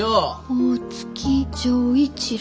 大月錠一郎。